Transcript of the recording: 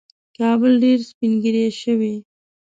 کابل ډېر سپین ږیری شوی